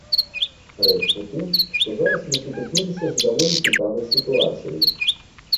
Рэч у тым, што зараз мы сутыкнуліся з даволі цікавай сітуацыяй.